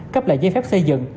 cấp lại giấy phép xây dựng